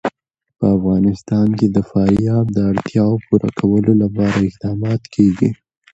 په افغانستان کې د فاریاب د اړتیاوو پوره کولو لپاره اقدامات کېږي.